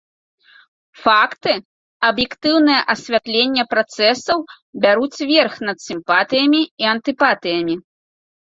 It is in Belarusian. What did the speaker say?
Факты, аб'ектыўнае асвятленне працэсаў бяруць верх над сімпатыямі і антыпатыямі.